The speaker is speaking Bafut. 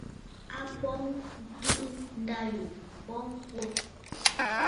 A bɔŋ ǹdɨ̀ʼɨ ndâ yò m̀bɔŋ kwo.